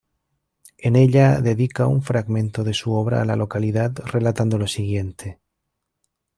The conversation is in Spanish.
En ella dedica un fragmento de su obra a la localidad, relatando lo siguiente.